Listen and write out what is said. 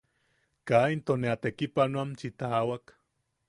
Kaa into ne a tekipanoamchi taawak.